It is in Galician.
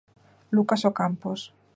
Lucas Ocampos.